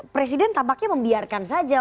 presiden tampaknya membiarkan saja